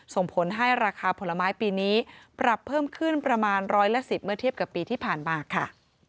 ส่งผลให้ราคาผลไม้ปีนี้ปรับเพิ่มขึ้นประมาณร้อยละ๑๐เมื่อเทียบกับปีที่ผ่านมาค่ะ